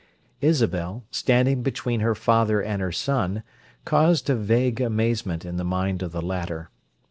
Isabel, standing between her father and her son caused a vague amazement in the mind of the latter.